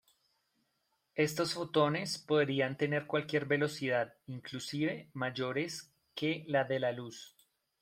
Estos fotones podrían tener cualquier velocidad, inclusive, mayores que la de la luz.